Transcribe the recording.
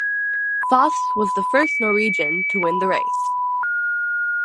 Foss was the first Norwegian to win the race.